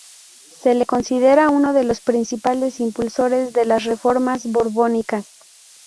Se le considera uno de los principales impulsores de las reformas borbónicas.